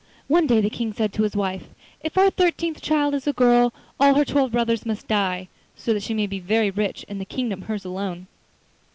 One day the King said to his wife: 'If our thirteenth child is a girl, all her twelve brothers must die, so that she may be very rich and the kingdom hers alone.